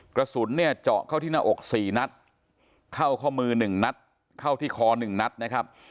กระสุนเนี่ยเจาะเข้าที่หน้าอก๔นัดเข้าข้อมือ๑นัดเข้าที่คอ๑นัดนะครับ